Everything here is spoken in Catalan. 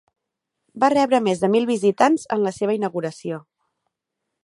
Va rebre més de mil visitants en la seva inauguració.